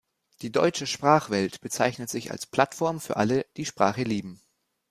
Die "Deutsche Sprachwelt" bezeichnet sich als „Plattform für alle, die Sprache lieben“.